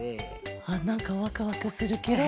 あっなんかワクワクするケロ。